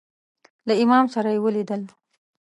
له امام سره یې ولیدل.